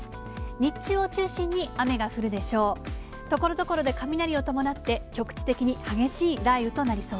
日中を中心に雨が降るでしょう。